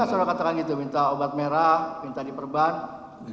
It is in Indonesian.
ada gak saudara katakan gitu minta obat merah minta diperban